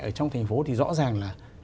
ở trong thành phố thì rõ ràng là